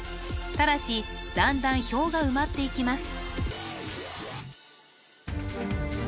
ただし段々表が埋まっていきます